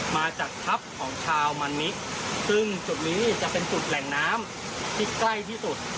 มาจากทัพของชาวมันมิกซึ่งจุดนี้จะเป็นจุดแหล่งน้ำที่ใกล้ที่สุด